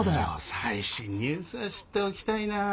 最新ニュースは知っておきたいなあ。